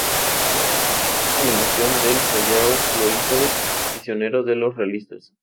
La sublevación del Callao lo hizo prisionero de los realistas.